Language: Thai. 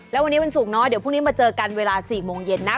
แล้ววันนี้วันศุกร์เนาะเดี๋ยวพรุ่งนี้มาเจอกันเวลา๔โมงเย็นนะ